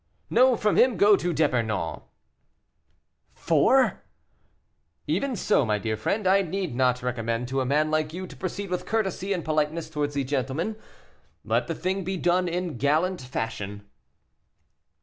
"No; from him go to D'Epernon." "Four!" "Even so, my dear friend; I need not recommend to a man like you to proceed with courtesy and politeness towards these gentlemen. Let the thing be done in gallant fashion."